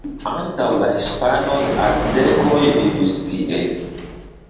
Antaŭ la hispanoj aztekoj vivis tie.